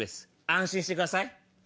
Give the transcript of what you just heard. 安心してください。